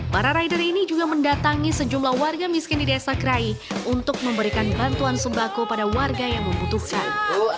para rider ini juga mendatangi sejumlah warga miskin di desa kerai untuk memberikan bantuan sembako pada warga yang membutuhkan